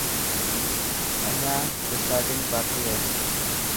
اڄان رڪارڊنگ باڪي هي.